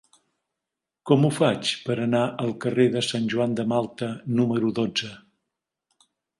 Com ho faig per anar al carrer de Sant Joan de Malta número dotze?